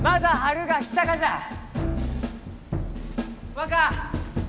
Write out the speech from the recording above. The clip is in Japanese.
若！